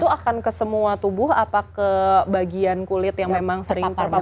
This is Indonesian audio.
itu akan ke semua tubuh apa ke bagian kulit yang memang sering terpapar saja